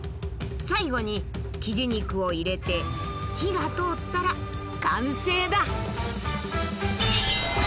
最後にキジ肉を入れて火が通ったら完成だ。